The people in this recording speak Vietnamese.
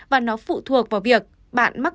và nó phụ thuộc vào việc bạn mắc